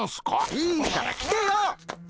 いいから来てよ！